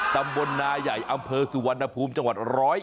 ตำบลนาใหญ่อำเภอสุวรรณภูมิจังหวัด๑๐๑